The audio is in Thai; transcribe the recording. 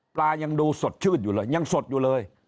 ปลายังดูสดชื่นอยู่เลยยังสดอยู่เลย